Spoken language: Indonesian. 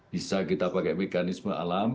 bisa kita pakai mekanisme alam